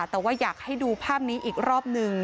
แต่ว่าอยากให้ดูภาพนี้อีกรอบหนึ่ง